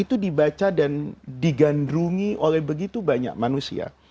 itu dibaca dan digandrungi oleh begitu banyak manusia